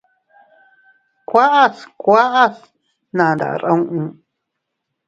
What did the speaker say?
Kuaʼas kuaʼas nnanda ruú.